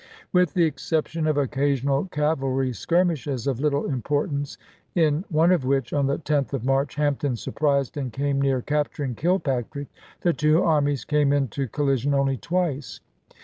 With the exception of occasional cavalry skir mishes of little importance, in one of which — 1865. on the 10th of March — Hampton surprised and came near capturing Kilpatrick, the two armies came into collision only twice.